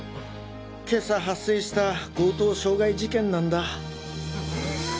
今朝発生した強盗傷害事件なんだ。